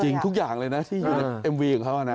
ทุกอย่างเลยนะที่อยู่ในเอ็มวีของเขานะ